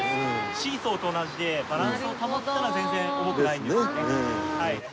シーソーと同じでバランスを保ったら全然重くないんですねはい。